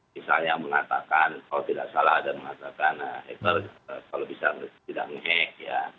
misalnya mengatakan kalau tidak salah ada mengatakan kalau bisa tidak menghack ya